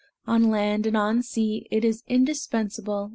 On land and on sea It is indispensable.